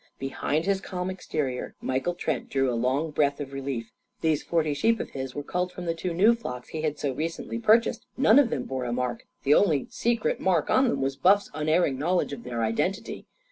Behind his calm exterior Michael Trent drew a long breath of relief. These forty sheep of his were culled from the two new flocks he had so recently purchased. None of them bore a mark. The only "secret mark" on them was Buff's unerring knowledge of their identity.